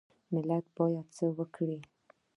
ملت باید څه وکړي؟